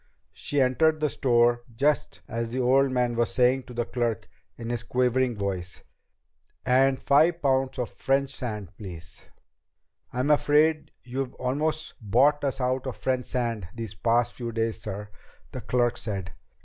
She entered the store just as the old man was saying to the clerk in his quavering voice: "... and five pounds of French sand, please." "I'm afraid you've almost bought us out of French sand these past few days, sir," the clerk said.